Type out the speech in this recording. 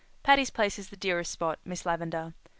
Patty's Place is the dearest spot, Miss Lavendar.